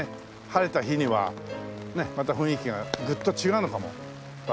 晴れた日にはまた雰囲気がぐっと違うのかもわかりませんけどね。